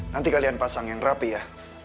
nanti kalian pasang yang rapi ya